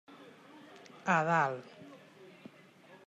A dalt.